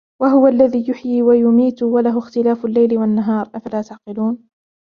وهو الذي يحيي ويميت وله اختلاف الليل والنهار أفلا تعقلون